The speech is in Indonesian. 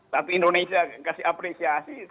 tapi indonesia kasih apresiasi